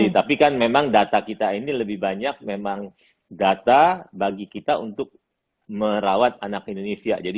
tapi kan memang data kita ini lebih banyak memang data bagi kita untuk merawat anak indonesia